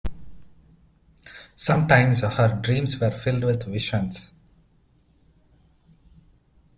Sometimes her dreams were filled with visions.